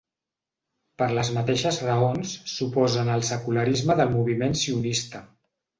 Per les mateixes raons s'oposen al secularisme del moviment sionista.